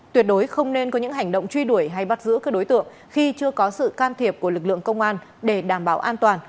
tuyệt đối không nên có những hành động truy đuổi hay bắt giữ các đối tượng khi chưa có sự can thiệp của lực lượng công an để đảm bảo an toàn